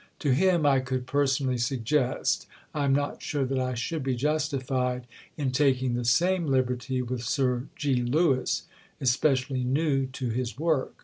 To him I could personally suggest: I am not sure that I should be justified in taking the same liberty with Sir G. Lewis, especially new to his work.